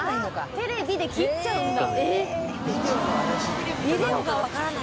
「テレビ」で切っちゃうんだ。